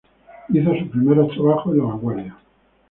Hizo sus primeros trabajos en "La Vanguardia".